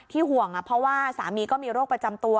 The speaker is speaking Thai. ห่วงเพราะว่าสามีก็มีโรคประจำตัว